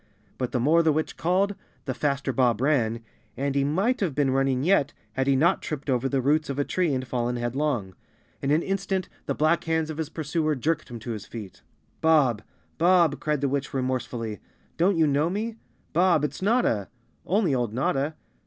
But the more the witch called, the faster Bob ran, and he might have been running yet, had he not tripped over the roots of a tree and fallen headlong. In an instant the black hands of his pursuer jerked him to his feet. 236 Chapter Eighteen "Bob! Bob!" cried the witch remorsefully, "don't you know me? Bob, it's Notta—only old Notta!"